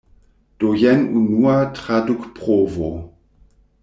Do jen unua tradukprovo.